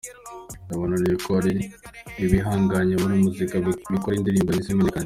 Yanababwiye ko hari n’ibihangange muri muzika bikora indirimbo ntizimenyekane.